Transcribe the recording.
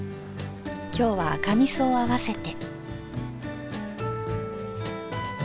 今日は赤みそを合わせて。